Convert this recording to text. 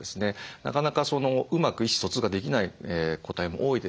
なかなかうまく意思疎通ができない個体も多いですし。